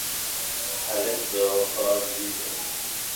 هلک د وفا زوی دی.